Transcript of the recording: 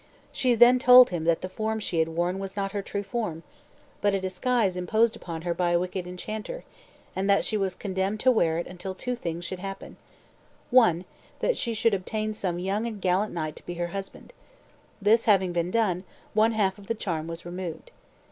She then told him that the form she had worn was not her true form, but a disguise imposed upon her by a wicked enchanter, and that she was condemned to wear it until two things should happen: one, that she should obtain some young and gallant knight to be her husband. This having been done, one half of the charm was removed.